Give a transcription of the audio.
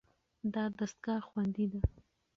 دا دستګاه خوندي ده.